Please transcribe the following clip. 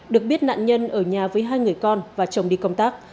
được biết nạn nhân ở nhà với hai người con và chồng đi công tác